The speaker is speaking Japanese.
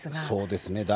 そうですね。